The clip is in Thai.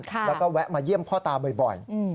แล้วก็แวะมาเยี่ยมพ่อตาบ่อย